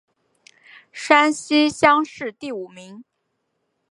山西乡试第五名。